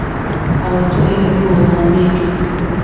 abatuye muri Mozambique